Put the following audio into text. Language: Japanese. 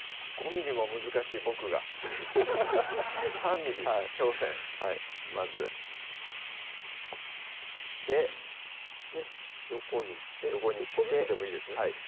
５ｍｍも難しい僕が３ｍｍ挑戦はいまずで横にして１個ずつでもいいですよ